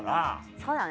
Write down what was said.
そうだね